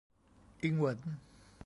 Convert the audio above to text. อิงเหวิน